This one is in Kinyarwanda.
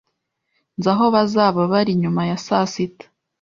Nzi aho bazaba bari nyuma ya saa sita